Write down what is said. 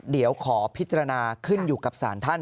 เดี๋ยวขอพิจารณาขึ้นอยู่กับสารท่าน